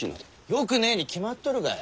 よくねえに決まっとるがや。